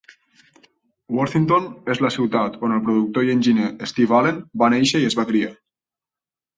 Worthington és la ciutat on el productor i enginyer Steve Allen va néixer i es va criar.